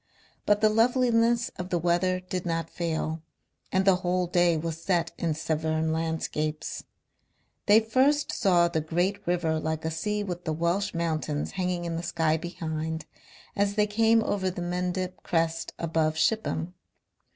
But the loveliness of the weather did not fail, and the whole day was set in Severn landscapes. They first saw the great river like a sea with the Welsh mountains hanging in the sky behind as they came over the Mendip crest above Shipham.